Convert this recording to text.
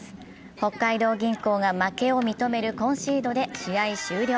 北海道銀行が負けを認めるコンシードで試合終了。